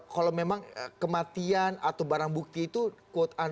kalau memang kematian atau barang bukti itu quote un